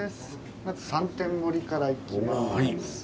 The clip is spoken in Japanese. まず３点盛りからいきます。